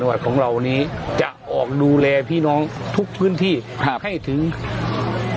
ส่วนตะวัดของเรานี้จะออกดูแลพี่น้องทุกพื้นที่ให้ถึงครับ